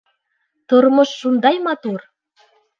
Тормош шундай матур!